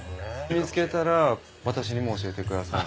見つけたら私にも教えてください。